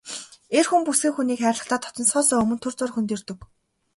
Эр хүн бүсгүй хүнийг хайрлахдаа дотносохоосоо өмнө түр зуур хөндийрдөг.